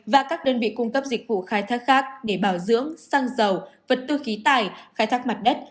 và các đơn vị cung cấp dịch vụ khai thác khác để bảo dưỡng xăng dầu vật tư khí tài khai thác mặt đất